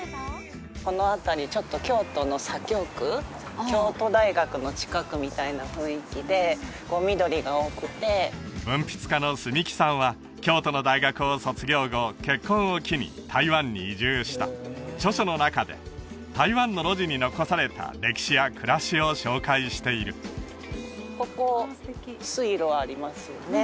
この辺りちょっと京都の左京区京都大学の近くみたいな雰囲気で緑が多くて文筆家の栖来さんは京都の大学を卒業後結婚を機に台湾に移住した著書の中で台湾の路地に残された歴史や暮らしを紹介しているここ水路ありますよね